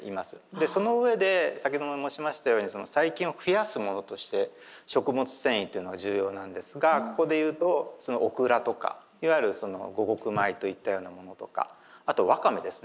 でその上で先ほども申しましたように細菌を増やすものとして食物繊維というのが重要なんですがここで言うとオクラとかいわゆる五穀米といったようなものとかあとワカメですね。